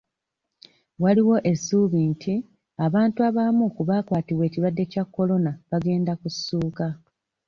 Waliwo essuubi nti abantu abamu ku baakwatibwa ekirwadde kya Corona bagenda kussuuka.